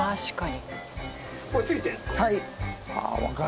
これついてんすか？